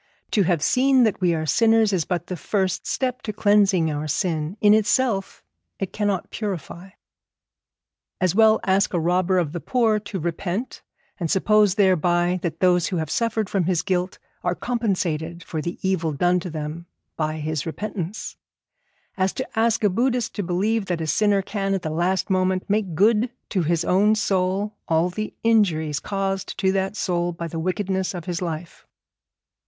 To have seen that we are sinners is but the first step to cleansing our sin; in itself it cannot purify. As well ask a robber of the poor to repent, and suppose thereby that those who have suffered from his guilt are compensated for the evil done to them by his repentance, as to ask a Buddhist to believe that a sinner can at the last moment make good to his own soul all the injuries caused to that soul by the wickedness of his life.